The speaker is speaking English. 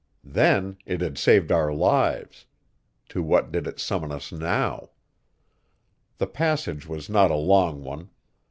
Then it had saved our lives; to what did it summon us now? The passage was not a long one.